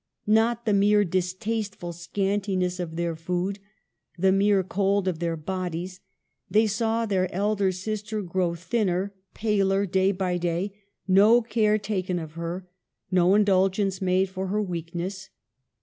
Not the mere dis tasteful scantiness of their food, the mere cold of their bodies : they saw their elder sister grow thinner, paler day by day, no care taken of her, no indulgence made for her weakness.